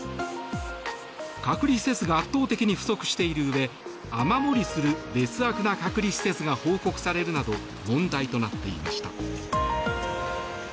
隔離施設が圧倒的に不足しているうえ雨漏りする劣悪な隔離施設が報告されるなど問題となっていました。